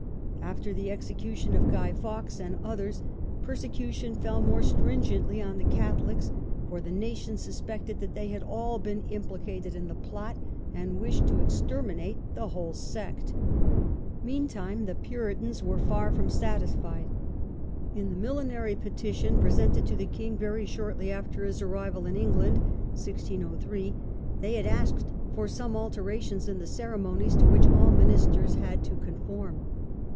After the execution of Guy Fawkes and others, persecution fell more strin gently on the Catholics, for the nation suspected that they had all been implicated in the plot, and wished to exter minate the whole sect. Meantime the Puritans were far from satisfied. In the Millenary Petition^ presented to the king very shortly after his arrival in England (1603), they had _ 1 J r 14. ^• *u • The Puritans. asked for some alterations m the ceremonies to which all ministers had to conform.